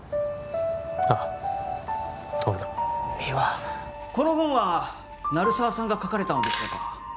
ああ俺だ三輪この本は鳴沢さんが書かれたのでしょうか